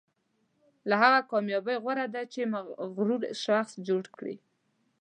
له هغه کامیابۍ غوره ده چې مغرور شخص جوړ کړي.